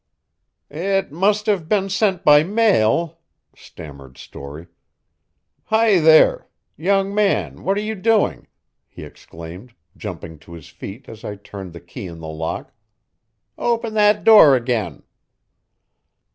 "It must have been sent by mail," stammered Storey. "Hi, there! young man, what are you doing?" he exclaimed, jumping to his feet as I turned the key in the lock. "Open that door again!"